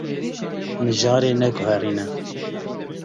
Mijarê neguherîne.